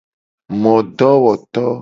Modowoto.